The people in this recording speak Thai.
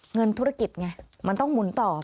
เงินธุรกิจไงมันต้องหมุนต่อ